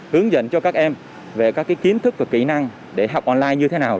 hướng dẫn cho các em về các kiến thức và kỹ năng để học online như thế nào